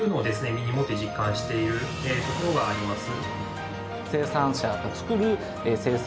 身に持って実感しているところがあります。